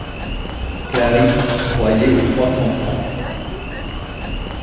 Clarisse croyait aux trois cents francs.